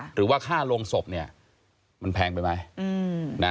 หรือว่าค่าลงศพเนี่ยมันแพงไปไหม